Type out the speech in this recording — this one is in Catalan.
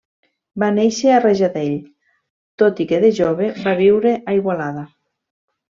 Va néixer a Rajadell, tot i que de jove va viure a Igualada.